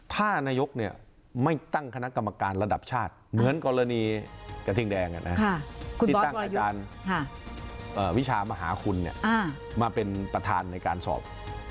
ถ้านายกไม่ตั้งคณะกรรมการระดับชาติเหมือนกรณีกระทิงแดงที่ตั้งอาจารย์วิชามหาคุณมาเป็นประธานในการสอบ